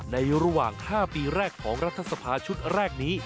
ในระหว่าง๕ปีแรกของรัฐสภาชุดแรกนี้